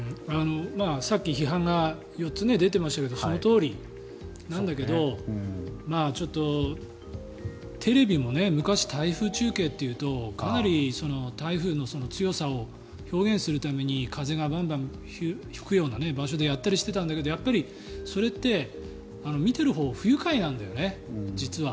さっき批判が４つ、出ていましたけどそのとおりなんだけどちょっとテレビも昔、台風中継っていうとかなり台風の強さを表現するために風がバンバン吹くような状況でやったりしてたんだけどそれって見ているほうは不愉快なんだよね、実は。